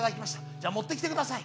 じゃ持ってきてください。